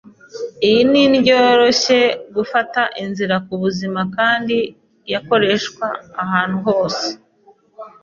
Iyi ni indyo yoroshye gufata, nziza ku buzima kandi yakoreshwa ahantu hose.